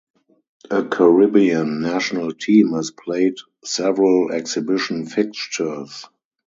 A Caribbean national team has played several exhibition fixtures.